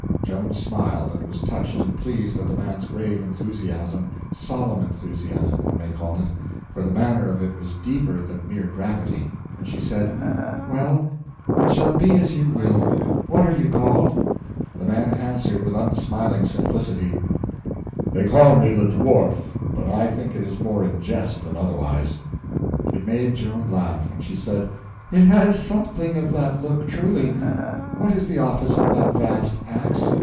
Joan smiled, and was touched and pleased at the man's grave enthusiasm—solemn enthusiasm, one may call it, for the manner of it was deeper than mere gravity—and she said: "Well, it shall be as you will. What are you called?" The man answered with unsmiling simplicity: "They call me the Dwarf, but I think it is more in jest than otherwise." It made Joan laugh, and she said: "It has something of that look truly! What is the office of that vast ax?"